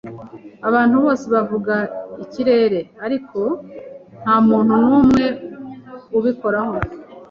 Abantu bose bavuga ikirere, ariko ntamuntu numwe ubikoraho.